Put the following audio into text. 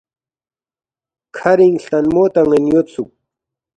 کَھرِنگ ہلتنمو تیان٘ین یودسُوک